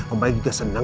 om baik juga senang